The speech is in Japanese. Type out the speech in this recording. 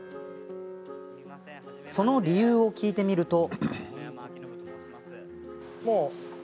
その理由を聞いてみると。